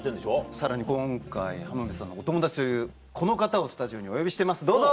さらに今回浜辺さんのお友達というこの方をスタジオにお呼びしてますどうぞ！